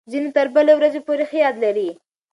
ځینې تر بلې ورځې پورې ښه یاد لري.